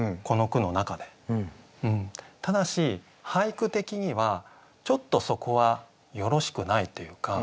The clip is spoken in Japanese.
ただし俳句的にはちょっとそこはよろしくないというか。